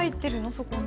そこに。